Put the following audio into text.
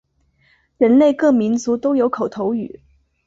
人类各民族都有口头语。